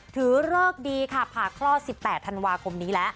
ถือเลิกดีค่ะผ่าคลอสิบแปดธันวาคมนี้แล้ว